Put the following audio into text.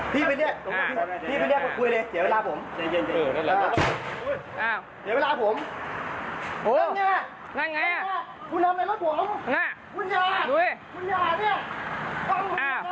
พี่เป็นเนี่ยพี่เป็นเนี่ยคุยเลยเสียเวลาผม